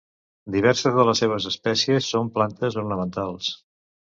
Diverses de les seves espècies són plantes ornamentals.